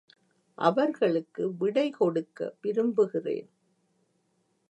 அவர்களுக்கு விடை கொடுக்க விரும்புகிறேன்.